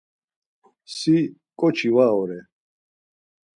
Si ǩoçi var ore!